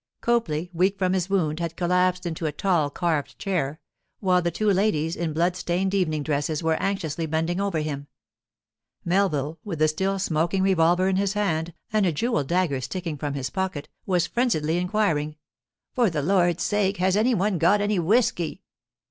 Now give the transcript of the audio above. Copley, weak from his wound, had collapsed into a tall carved chair, while the two ladies, in blood stained evening dresses, were anxiously bending over him. Melville, with the still smoking revolver in his hand and a jewelled dagger sticking from his pocket, was frenziedly inquiring, 'For the Lord's sake, has any one got any whisky?